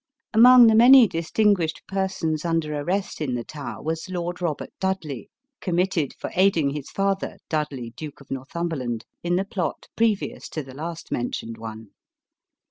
Among the many distinguished persons under arrest in the Tower, was Lord Robert Dudley, committed for aiding his father, Dudley Duke of Northumberland, in the plot previous to the last mentioned one.